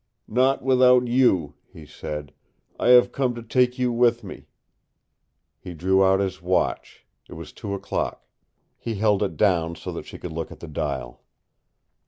"Not without you," he said. "I have come to take you with me." He drew out his watch. It was two o'clock. He held it down so that she could look at the dial.